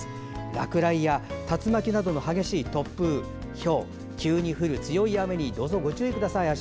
落雷や竜巻などの激しい突風ひょう、急に降る強い雨にどうぞご注意ください。